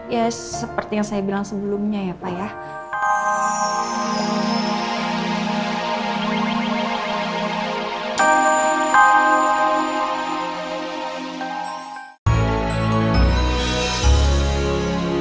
ya seperti yang saya bilang sebelumnya ya pak ya